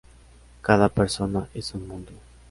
Cada persona es un mundo